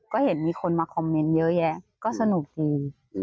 ก็เห็นมีคนมาคอมเมนต์เยอะแยะก็สนุกดี